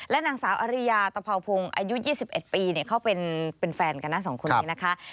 นางสาวอริยาตะเภาพงศ์อายุ๒๑ปีเขาเป็นแฟนกันนะสองคนนี้นะคะ